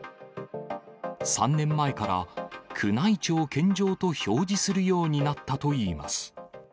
３年前から宮内庁献上と表示するようになったといいます。